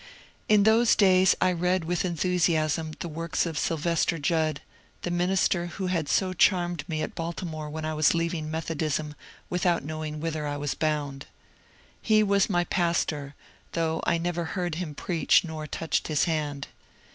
In those days I read with enthusiasm the works of Syl vester Judd, the minister who had so charmed me at Balti more when I was leaving Methodism without knowing whither I was bound. He was my pastor, though I never heard him preach nor touched his hajid.